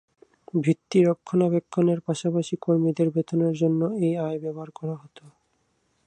ভিত্তি রক্ষণাবেক্ষণের পাশাপাশি কর্মীদের বেতনের জন্য এই আয় ব্যবহার করা হত।